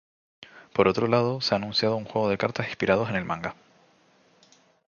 Por otro lado, se ha anunciado un juego de cartas inspirado en el manga.